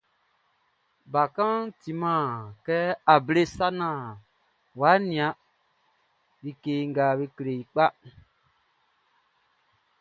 Bakanʼn timan kɛ able sa naan wʼa nian sɛ be kleli i like kpa ka naan wʼa yo sa tɛ.